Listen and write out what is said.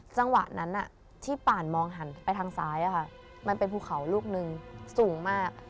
จังหวะนั้นที่ป่านมองหันไปทางซ้ายมันเป็นภูเขาลูกนึงสูงมาก